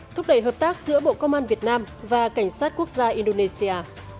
thúc đẩy hợp tác giữa bộ công an việt nam và cảnh sát quốc gia indonesia